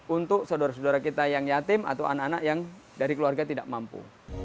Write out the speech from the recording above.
untuk saudara saudara kita yang yatim atau anak anak yang dari keluarga tidak mampu